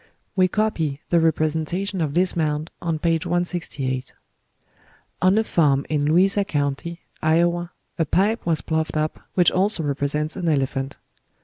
We copy the representation of this mound on page 168. On a farm in Louisa County, Iowa, a pipe was ploughed up which also represents an elephant.